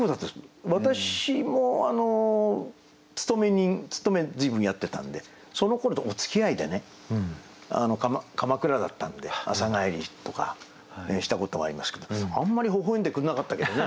私も勤め人勤め随分やってたんでそのころとかおつきあいでね鎌倉だったんで朝帰りとかしたこともありますけどあんまりほほ笑んでくんなかったけどね。